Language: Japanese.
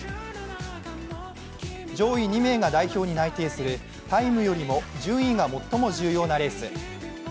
上位２名が代表に内定するタイムよりも順位が最も重要なレース。